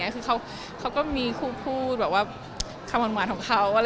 คือเขาก็มีคู่พูดแบบว่าคำหวานของเขา